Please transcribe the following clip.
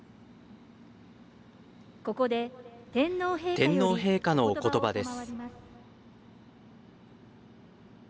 天皇陛下のおことばです。